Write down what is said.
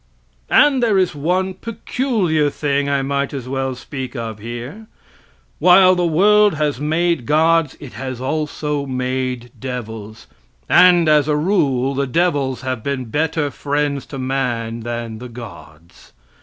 And there is one peculiar thing I might as well speak of here. While the world has made gods, it has also made devils; and as a rule the devils have been better friends to man than the gods.